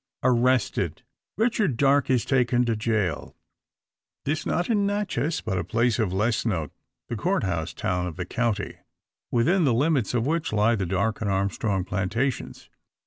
Arrested, Richard Darke is taken to jail. This not in Natchez, but a place of less note; the Court house town of the county, within the limits of which lie the Darke and Armstrong plantations.